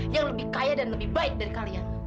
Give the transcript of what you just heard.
yang lebih kaya dan lebih baik dari kalian